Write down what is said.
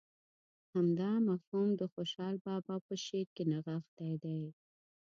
همدا مفهوم د خوشحال بابا په شعر کې نغښتی دی.